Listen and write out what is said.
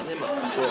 そう。